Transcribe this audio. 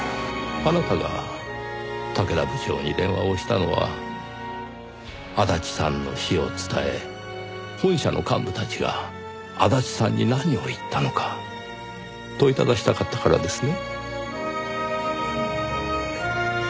あなたが竹田部長に電話をしたのは足立さんの死を伝え本社の幹部たちが足立さんに何を言ったのか問いただしたかったからですね？